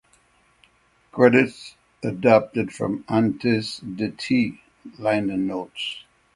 Credits adapted from "Antes de Ti" liner notes.